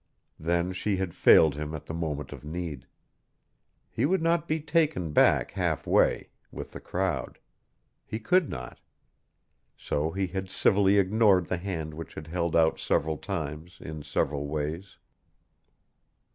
Then she had failed him at the moment of need. He would not be taken back half way, with the crowd. He could not. So he had civilly ignored the hand which had held out several times, in several ways.